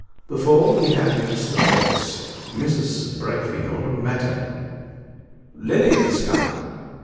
Before he had reached the place, Mrs. Braefield met him. "Lily is come!"